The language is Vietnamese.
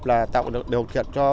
là tạo được điều kiện cho